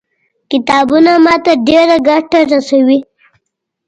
کتابونه ما ته ډېره ګټه رسوي.